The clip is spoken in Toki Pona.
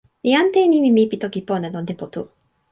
mi ante e nimi mi pi toki pona lon tenpo tu.